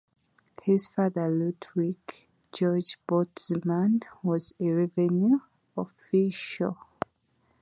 His father, Ludwig Georg Boltzmann, was a revenue official.